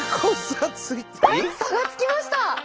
差がつきました！